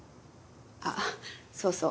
あっそうそう。